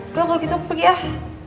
udah kalau gitu aku pergi ah